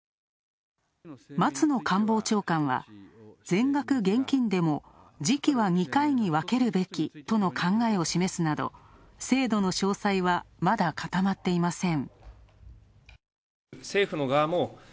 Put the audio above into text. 松野官房長官は、全額現金でも時期は２回に分けるべきとの考えを示すなど制度の詳細はまだ固まっていません。